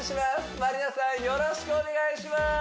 よろしくお願いします